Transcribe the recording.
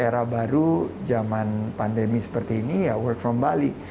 era baru zaman pandemi seperti ini ya work from bali